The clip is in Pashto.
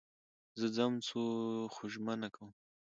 زه ځم خو ژمنه کوم